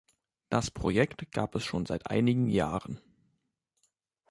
Das Projekt gab es schon seit einigen Jahren.